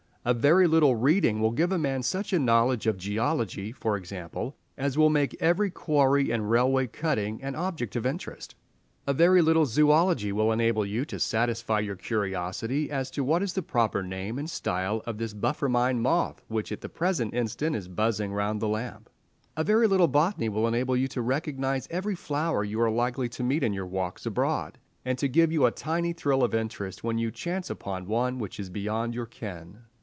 A very little reading will give a man such a knowledge of geology, for example, as will make every quarry and railway cutting an object of interest. A very little zoology will enable you to satisfy your curiosity as to what is the proper name and style of this buff ermine moth which at the present instant is buzzing round the lamp. A very little botany will enable you to recognize every flower you are likely to meet in your walks abroad, and to give you a tiny thrill of interest when you chance upon one which is beyond your ken.